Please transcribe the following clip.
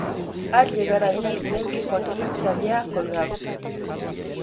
Al llegar allí ven que Joaquim se había colgado.